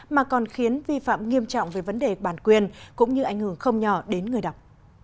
mà còn khiến vi phạm nghiêm trọng về vấn đề bản quyền cũng như ảnh hưởng không nhỏ đến người đọc